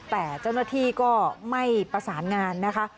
แต่เจ้าหน้าที่ก็ไม่ประสานงานนะคะ